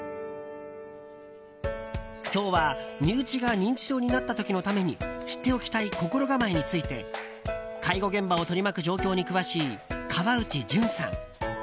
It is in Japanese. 今日は、身内が認知症になった時のために知っておきたい心構えについて介護現場を取り巻く状況に詳しい川内潤さん